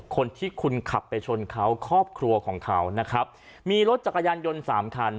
คนที่คุณขับไปชนเขาครอบครัวของเขานะครับมีรถจักรยานยนต์สามคัน